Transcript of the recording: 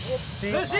寿司！